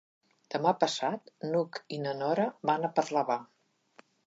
Demà passat n'Hug i na Nora van a Parlavà.